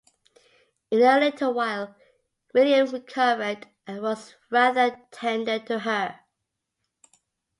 In a little while William recovered, and was rather tender to her.